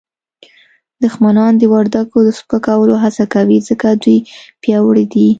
دښمنان د وردګو د سپکولو هڅه کوي ځکه دوی پیاوړي دي